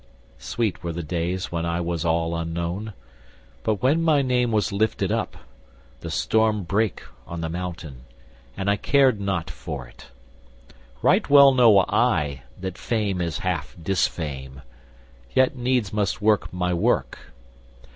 Sweet were the days when I was all unknown, But when my name was lifted up, the storm Brake on the mountain and I cared not for it. Right well know I that Fame is half disfame, Yet needs must work my work.